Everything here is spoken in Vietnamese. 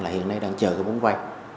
là hiện nay đang chờ cái bóng quay